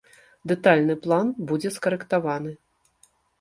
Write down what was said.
Дэтальны план будзе скарэктаваны.